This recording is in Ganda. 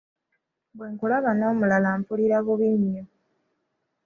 Bwe nkulaba n'omulala mpulira bubi nnyo.